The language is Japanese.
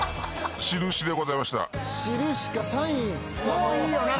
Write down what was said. もういいよな。